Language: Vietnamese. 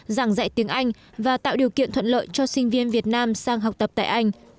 giảng dạy tiếng anh và tạo điều kiện thuận lợi cho sinh viên việt nam sang học tập tại anh